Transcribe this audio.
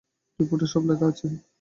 রিপোর্টে সব লেখা আছে।